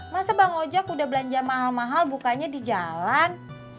masa bang ojek udah belanja mahal mahal bukanya di jalan